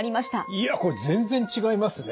いやこれ全然違いますね。